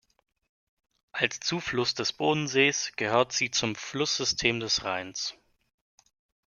Als Zufluss des Bodensees gehört sie zum Flusssystem des Rheins.